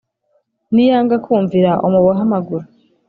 niyanga kumvira umubohe amaguru.